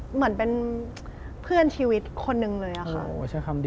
เหมือนเป็นเพื่อนชีวิตคนหนึ่งเลยอะค่ะ